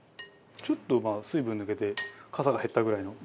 ちょっとまあ水分抜けてかさが減ったぐらいの。